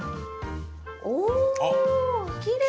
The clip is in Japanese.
おきれい！